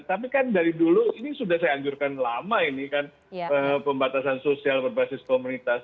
tapi kan dari dulu ini sudah saya anjurkan lama ini kan pembatasan sosial berbasis komunitas